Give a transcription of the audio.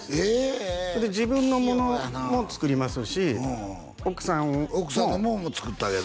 器用やなで自分のものも作りますし奥さんも奥さんのものも作ってあげる？